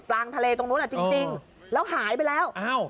กลางทะเลตรงนู้นจริงแล้วหายไปแล้ว